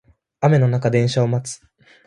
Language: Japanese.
雨の中電車を待つ